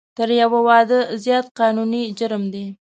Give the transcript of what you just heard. تر یو واده زیات قانوني جرم دی